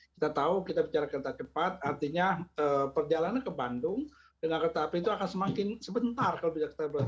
kita tahu kita bicara kereta cepat artinya perjalanan ke bandung dengan kereta api itu akan semakin sebentar kalau bisa kita belajar